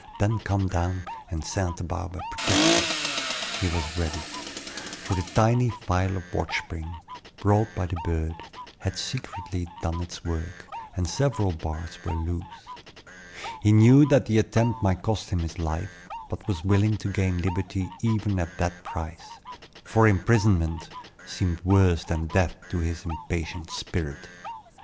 Then come down, and St. Barbe protect you," he was ready; for the tiny file of watch spring, brought by the bird, had secretly done its work, and several bars were loose. He knew that the attempt might cost him his life, but was willing to gain liberty even at that price; for imprisonment seemed worse than death to his impatient spirit.